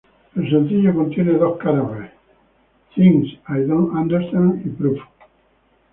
El sencillo contiene dos lados B: "Things I Don't Understand" y "Proof".